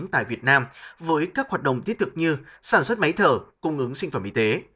tại việt nam với các hoạt động thiết thực như sản xuất máy thở cung ứng sinh phẩm y tế